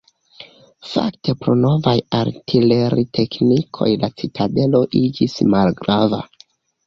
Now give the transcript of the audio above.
Fakte pro novaj artileriteknikoj la citadelo iĝis malgrava.